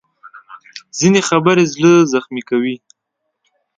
ځینې خبرې زړه زخمي کوي